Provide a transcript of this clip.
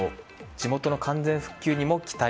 地元の完全復旧にも期待。